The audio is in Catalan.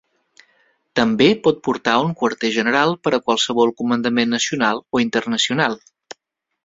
També pot portar un quarter general per a qualsevol comandament nacional o internacional.